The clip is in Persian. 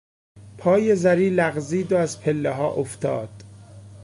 پای زری لغزید و از پلهها افتاد.